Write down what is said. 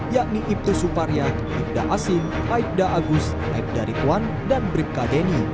yakni ibtu suparya ibtu asing aibda agus aibda ritwan dan brikka deni